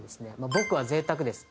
「僕は贅沢です」と。